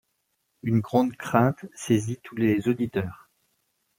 Une grande crainte saisit tous les auditeurs.